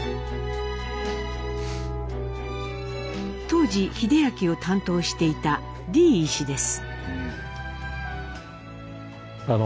当時英明を担当していた李医師です。